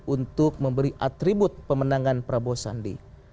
untuk memberi atribut pemenangan prabowo sandi